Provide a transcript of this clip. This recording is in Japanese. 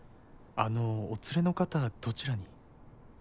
あのお連れの方どちらに？